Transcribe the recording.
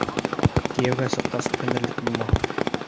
Кейәүгә сыҡҡас үкенерлек булмаһын!